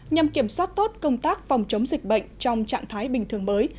nhằm kiểm soát tốt công tác phòng chống dịch bệnh trong trạng thái bình thường mới